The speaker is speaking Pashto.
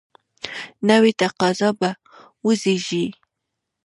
نوي تقاضا به وزیږي.